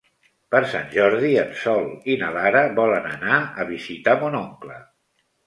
Per Sant Jordi en Sol i na Lara volen anar a visitar mon oncle.